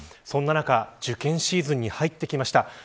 そんな中受験シーズンに入ってきました。